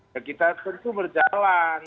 ya kita tentu berjalan